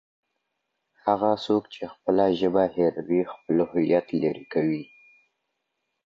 هغه څوک چي خپله ژبه هېروي، خپل هویت لیري کوي